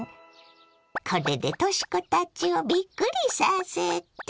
これでとし子たちをびっくりさせて。